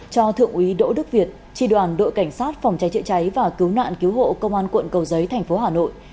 cho thượng úy đỗ đức việt tri đoàn đội cảnh sát phòng cháy chữa cháy và cứu nạn cứu hộ công an quận cầu giấy thành phố hà nội